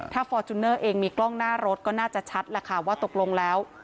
ถ้าฟอร์จูเนอร์เองมีกล้องหน้ารถก็น่าจะชัดแหละค่ะว่าตกลงแล้ว